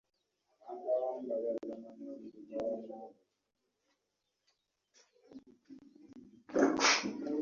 Wetwogerera bino, mutaka mu ggwanga lya Mexico